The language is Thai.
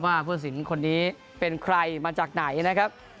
ผู้สินคนนี้เป็นใครมาจากไหนนะครับ